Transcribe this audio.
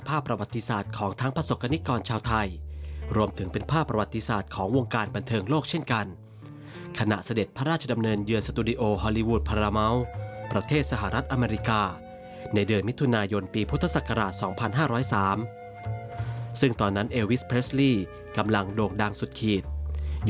อุตสาหกรรมบันเทิงโลกมากมาย